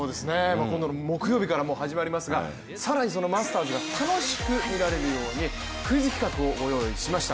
今度の木曜日からもう始まりますが、更にマスターズが楽しく見られるようにクイズ企画をご用意しました。